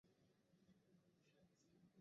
ভাবছেন এতদূর থেকে কীভাবে বুঝি কোন তারায় কী আছে?